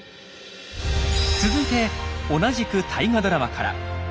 続いて同じく大河ドラマから。